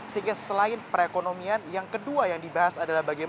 sehingga selain perekonomian yang kedua yang dibahas adalah bagaimana